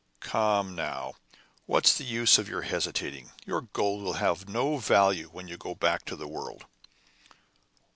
"Come now, what is the use of your hesitating? Your gold will have no value when you go back to the world."